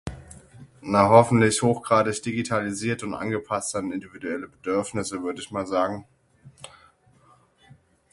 Na hoffentlich hochgradig digitalisiert und angepasst an individuelle Bedürfnisse, würde ich mal sagen.